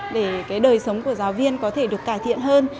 để cái đời sống của giáo viên có thể được cải thiện hơn